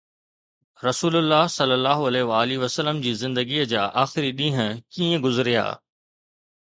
رسول الله ﷺ جي زندگيءَ جا آخري ڏينهن ڪيئن گذريا؟